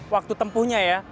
waktu tempuhnya ya